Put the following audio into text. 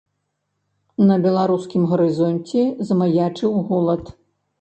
На беларускім гарызонце замаячыў голад.